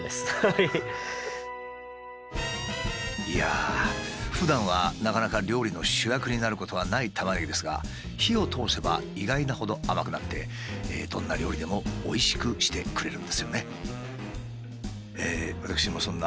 いやあふだんはなかなか料理の主役になることはないタマネギですが火を通せば意外なほど甘くなってどんな料理でもおいしくしてくれるんですよね。